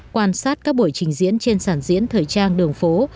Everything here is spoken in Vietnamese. quan sát các buổi trình diễn trên sản diễn thời trang đường phố